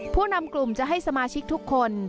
ผู้นำกลุ่มจะให้สมาชิกทุกคน